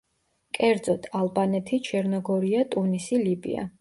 კერძოდ: ალბანეთი, ჩერნოგორია, ტუნისი, ლიბია.